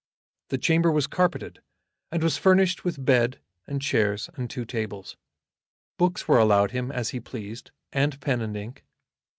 The chamber was carpeted, and was furnished with bed and chairs and two tables. Books were allowed him as he pleased, and pen and ink.